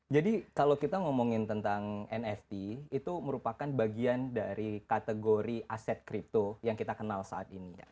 kalau kita ngomongin tentang nft itu merupakan bagian dari kategori aset kripto yang kita kenal saat ini